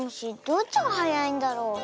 どっちがはやいんだろう。